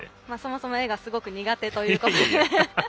そもそも絵がすごく苦手ということで。